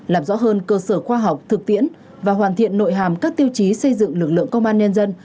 làm rõ hơn cơ sở khoa học thực tiễn và hoàn thiện nội hàm các tiêu chí xây dựng lực lượng công an nhân dân